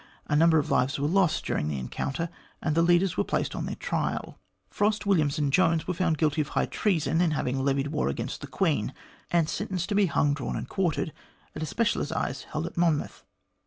A number of lives were lost during the encounter, and the leaders were placed on their trial. Frost, Williams, and Jones were found guilty of high treason in having levied war against the Queen, and sentenced to be hanged, drawn, and quartered at a special assize held in Monmouth.